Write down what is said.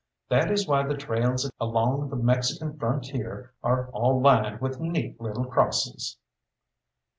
That is why the trails along the Mexican frontier are all lined with neat little crosses.